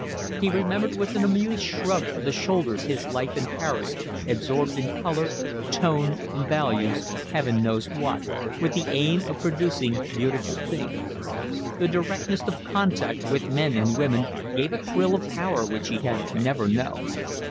He remembered with an amused shrug of the shoulders his life in Paris, absorbed in colour, tone, values, Heaven knows what, with the aim of producing beautiful things: the directness of contact with men and women gave a thrill of power which he had never known.